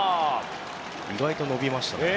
意外と伸びましたね。